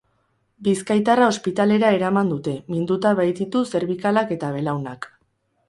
Bizkaitarra ospitalera eraman dute, minduta baititu zerbikalak eta belaunak.